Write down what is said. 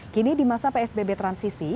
kini di masa psbb transisi